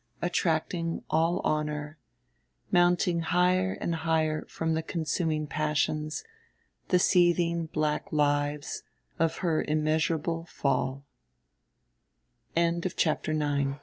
attracting all honor mounting higher and higher from the consuming passions, the seething black lives of her immeasurable